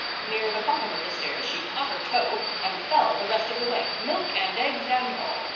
Near the bottom of the stairs she caught her toe and fell the rest of the way, milk and eggs and all.